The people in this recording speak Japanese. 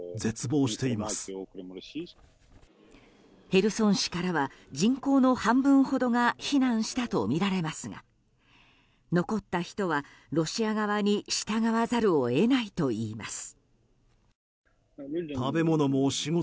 ヘルソン市からは人口の半分ほどが避難したとみられますが残った人はロシア側に従わざるを得ないといいます。